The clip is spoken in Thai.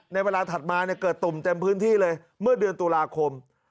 ในเวลาถัดมาเกิดตุ่มเต็มพื้นที่เลยเมื่อเดือนตุลาคม